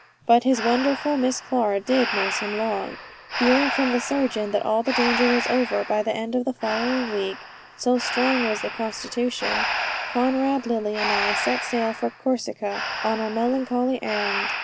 But his wonderful Miss Clara did not nurse him long. Hearing from the surgeon that all the danger was over by the end of the following week so strong was the constitution Conrad, Lily, and I set sail for Corsica on our melancholy errand.